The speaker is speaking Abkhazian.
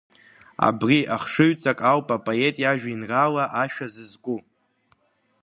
Абри ахшыҩҵак ауп апоет иажәеинраала Ашәа зызку.